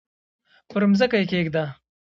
پر مځکه یې کښېږده!